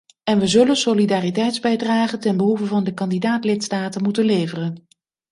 En we zullen solidariteitsbijdragen ten behoeve van de kandidaat-lidstaten moeten leveren.